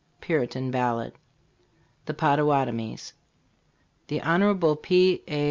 Puritan Ballad. THE POTTAWATOMIES THE Hon. P. A.